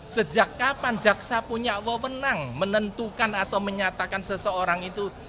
sejak kapan jaksa punya wewenang menentukan atau menyatakan seseorang itu